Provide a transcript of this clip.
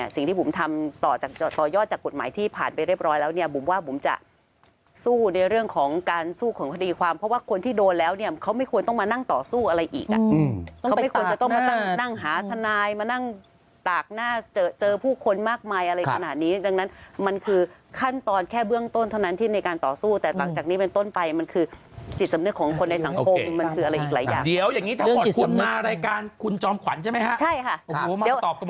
สู้ในเรื่องของการสู้ของพฤติความเพราะว่าคนที่โดนแล้วเนี่ยเขาไม่ควรต้องมานั่งต่อสู้อะไรอีกอะเขาไม่ควรจะต้องมานั่งหาทนายมานั่งตากหน้าเจอผู้คนมากมายอะไรขนาดนี้ดังนั้นมันคือขั้นตอนแค่เบื้องต้นเท่านั้นที่ในการต่อสู้แต่หลังจากนี้เป็นต้นไปมันคือจิตสำนึกของคนในสังคมมันคืออะไรอีกหลายอย่างเดี๋ยว